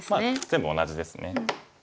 全部同じですね。